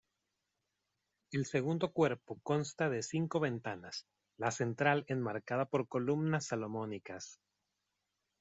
El segundo cuerpo consta de cinco ventanas, la central enmarcada por columnas salomónicas.